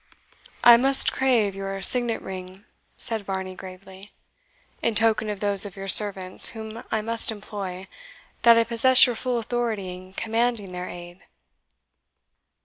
"I must crave your signet ring," said Varney gravely, "in token to those of your servants whom I must employ, that I possess your full authority in commanding their aid."